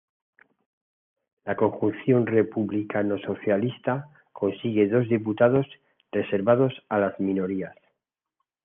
La conjunción republicano-socialista consigue dos diputados reservados a las minorías.